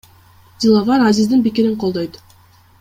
Диловар Азиздин пикирин колдойт.